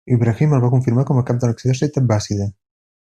Ibrahim el va confirmar com a cap de l'exèrcit abbàssida.